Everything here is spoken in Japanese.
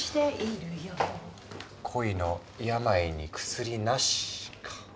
恋の病に薬なしか。